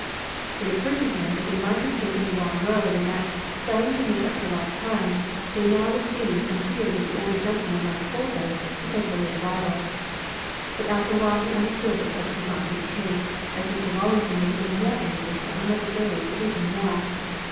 It occurred to him that they might have taken the wrong road and that, desiring to make up for lost time, they now were speeding from fear that the older gentlemen might scold them because of a late arrival. But after a while he understood that such could not be the case, as Mr. Rawlinson would have been more angered for unnecessarily fatiguing Nell.